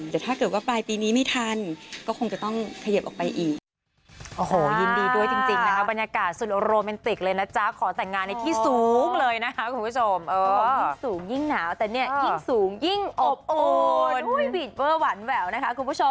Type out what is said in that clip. แต่ถ้าเกิดว่าปลายปีนี้ไม่ทันก็คงจะต้องเขยิบออกไปอีก